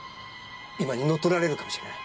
今にのっとられるかもしれない。